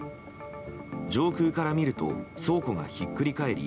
上空から見ると倉庫がひっくり返り